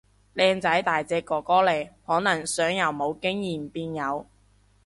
靚仔大隻哥哥嚟，可能想由冇經驗變有